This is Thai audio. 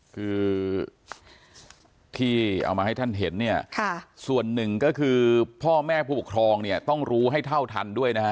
คือที่เอามาให้ท่านเห็นเนี่ยส่วนหนึ่งก็คือพ่อแม่ผู้ปกครองเนี่ยต้องรู้ให้เท่าทันด้วยนะฮะ